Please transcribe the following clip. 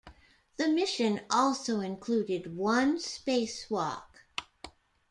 The mission also included one spacewalk.